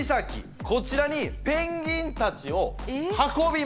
こちらにペンギンたちを運びます。